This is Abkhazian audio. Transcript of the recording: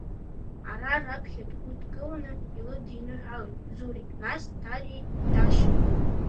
Ара, раԥхьа дгәыдкыланы илыдиныҳәалеит Зурик, нас Дариеи Дашеи.